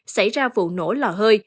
xảy ra vụ nổ lò hơi